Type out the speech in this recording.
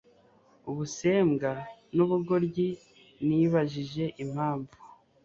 ubusembwa nubugoryi Nibajije impamvu